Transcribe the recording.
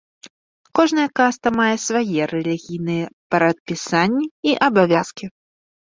Кожная каста мае свае рэлігійныя прадпісанні і абавязкі.